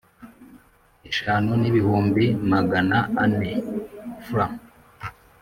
Eshanu n ibihumbi magana ane frw